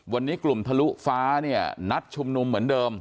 วันนี้กลุ่มทะลุฟ้าเนี่ยนัดชุมนุมเหมือนเดิม